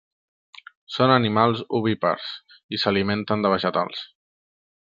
Són animals ovípars, i s'alimenten de vegetals.